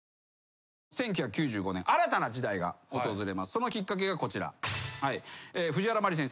そのきっかけがこちら。